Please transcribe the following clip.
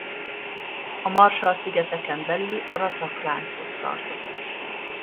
A Marshall-szigeteken belül a Ratak lánchoz tartozik.